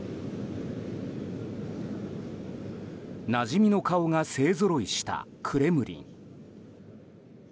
なじみの顔が勢ぞろいしたクレムリン。